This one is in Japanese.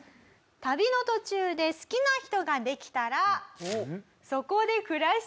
旅の途中で好きな人ができたら。